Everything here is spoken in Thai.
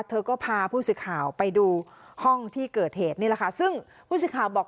เธอก็พาผู้สื่อข่าวไปดูห้องที่เกิดเหตุนี่แหละค่ะซึ่งผู้สื่อข่าวบอก